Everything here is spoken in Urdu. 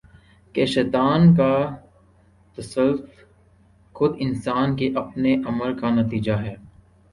کہ شیطان کا تسلط خود انسان کے اپنے عمل کا نتیجہ ہے